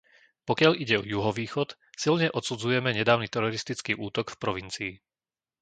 Pokiaľ ide o juhovýchod, silne odsudzujeme nedávny teroristický útok v provincii.